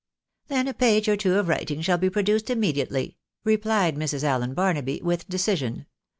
" Then a page or two of writing shall be produced immediately," replied Mrs. Allen Barnaby with decision.